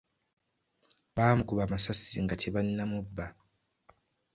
Baamukuba amasasi nga tebannamubba.